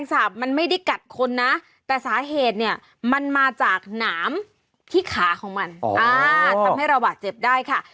อ๋อทำให้ระวัติเจ็บได้ค่ะ